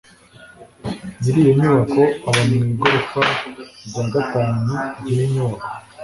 nyiri iyo nyubako aba mu igorofa rya gatanu ryiyi nyubako